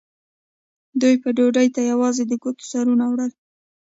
دوی به ډوډۍ ته یوازې د ګوتو سرونه وروړل.